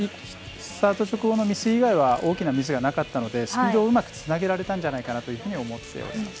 スタート直後のミス以外は大きなミスがなかったのでスピードをうまくつなげられたんじゃないかと。